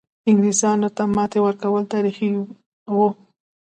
انګلیستان ته ماتې ورکول تاریخي وه.